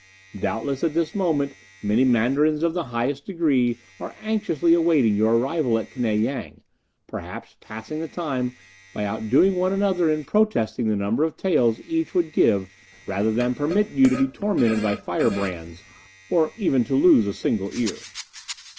Doubtless, at this moment many Mandarins of the highest degree are anxiously awaiting your arrival at Knei Yang, perhaps passing the time by outdoing one another in protesting the number of taels each would give rather than permit you to be tormented by fire brands, or even to lose a single ear."